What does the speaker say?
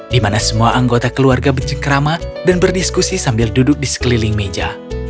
di mana semua anggota keluarga bercengkerama dan berdiskusi sambil duduk di sekeliling meja